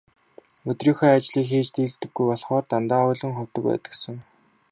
Өдрийнхөө ажлыг хийж дийлдэггүй болохоор дандаа өлөн ховдог байдагсан.